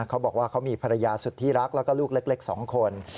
เขาบอกว่าเขามีภรรยาสุดที่รักแล้วก็ลูกเล็ก๒คน